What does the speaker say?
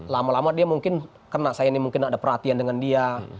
lama lama dia mungkin kena saya ini mungkin ada perhatian dengan dia